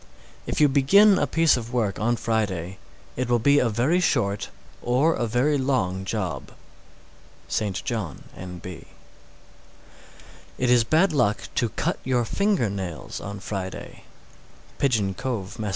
_ 615. If you begin a piece of work on Friday, it will be a very short or a very long job. St. John, N.B. 616. It is bad luck to cut your finger nails on Friday. _Pigeon Cove, Mass.